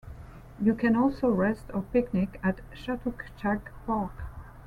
You can also rest or picnic at Chatuchak Park.